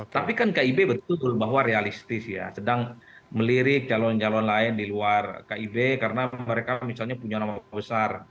tapi kan kib betul bahwa realistis ya sedang melirik calon calon lain di luar kib karena mereka misalnya punya nama besar